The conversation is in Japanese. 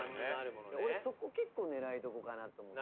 俺、そこ、結構狙いどこかなと思って。